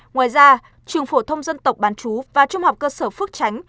ngoài ra trường phổ thông dân tộc bán chú và trung học cơ sở phước tránh